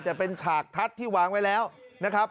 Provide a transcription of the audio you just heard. แต่เป็นฉากทัศน์ที่วางไว้แล้วนะครับ